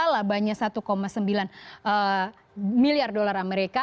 labanya satu sembilan miliar dolar amerika